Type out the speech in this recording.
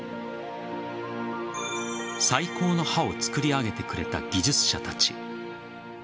最高の刃を作り上げてくれた技術者たち。